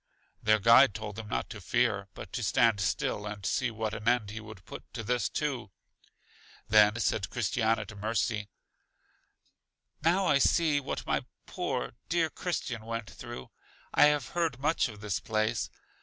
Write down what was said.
Their guide told them not to fear, but to stand still, and see what an end he would put to this too. Then said Christiana to Mercy: Now I see what my poor dear Christian went through; I have heard much of this place.